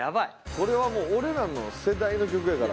これはもう俺らの世代の曲やから。